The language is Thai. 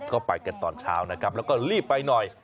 ก็ไปกันตอนเช้านะครับแล้วก็รีบไปหน่อย